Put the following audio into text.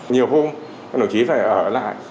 nhiều hôm đồng chí phải ở lại